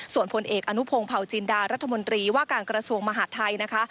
ส่วนผลเอกอนุพงศ์เผาจินดารัฐมนตรีว่าการกระทรวงมหาดไทยนะคะ